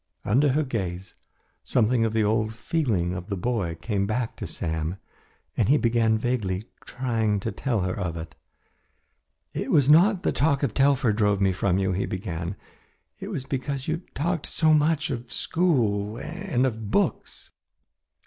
Under her gaze, something of the old feeling of the boy came back to Sam, and he began vaguely trying to tell her of it. "It was not the talk of Telfer drove me from you," he began, "it was because you talked so much of the schools and of books.